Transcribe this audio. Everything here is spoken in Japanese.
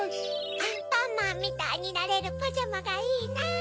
アンパンマンみたいになれるパジャマがいいな。